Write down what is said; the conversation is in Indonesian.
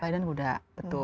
biden kuda betul